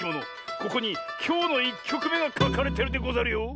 ここにきょうの１きょくめがかかれてるでござるよ。